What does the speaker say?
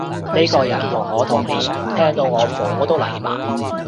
呢個人同我同年，聽到我火都嚟埋